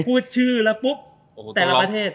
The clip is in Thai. พูดชื่อแล้วปุ๊บแต่ละประเทศ